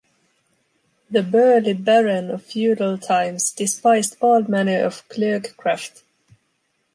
The burly baron of feudal times despised all manner of clerk-craft.